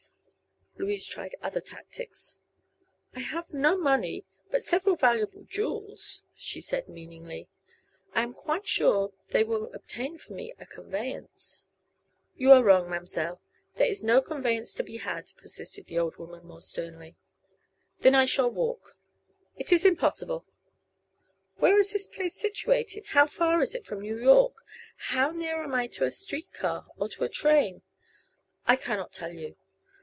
Louise tried other tactics. "I have no money, but several valuable jewels," she said, meaningly. "I am quite sure they will obtain for me a conveyance." "You are wrong, ma'm'selle; there is no conveyance to be had!" persisted the old woman, more sternly. "Then I shall walk." "It is impossible." "Where is this place situated? How far is it from New York? How near am I to a street car, or to a train?" "I cannot tell you."